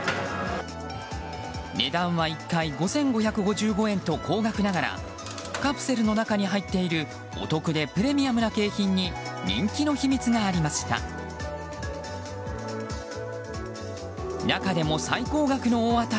値段は１回５５５５円と高額ながらカプセルの中に入っているお得でプレミアムな景品に人気の秘密がありました。